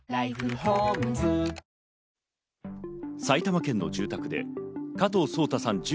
埼玉県の住宅で加藤颯太さん